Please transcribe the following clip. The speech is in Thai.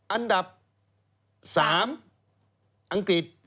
อันดับ๓อังกฤษ